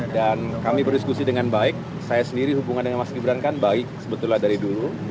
dan kami berdiskusi dengan baik saya sendiri hubungan dengan mas gibran kan baik sebetulnya dari dulu